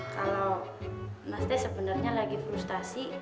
kalau mas teh sebenernya lagi frustasi